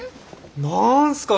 何すか？